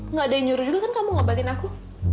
nggak ada yang nyuruh juga kan kamu ngobatin aku